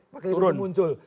pakir itu muncul